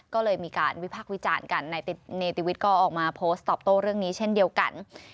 ก็เลยมีการวิพากษ์วิจารณ์กันในเนติวิทย์ก็ออกมาโพสต์ตอบโต้เรื่องนี้เช่นเดียวกัน